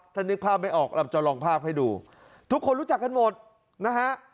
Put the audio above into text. ถ้านึกภาพไม่ออกเราจะลองภาพให้ดูทุกคนรู้จักกันหมดนะฮะ